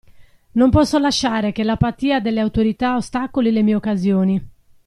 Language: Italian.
Non posso lasciare che l'apatia delle autorità ostacoli le mie occasioni.